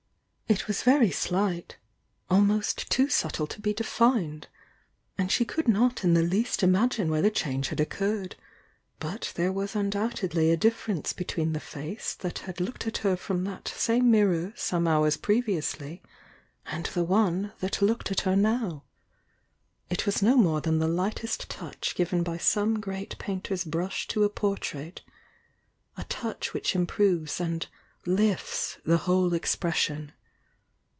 It was very slight — almost too subtle to be defined, — and she could not in the least imagine where the change had occurred, but there was un doubtedly a difference between the face that had looked at her from that same mirror some hours previously and the one that looked at her now. It was no more than the lightest touch given by some great painter's brush to a portrait — a touch which improves and "lifts" the whole expression.